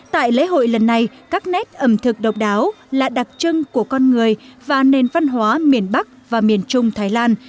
tại lễ hội lần này các nét ẩm thực độc đáo là đặc trưng của con người và nền văn hóa miền bắc và miền trung thái lan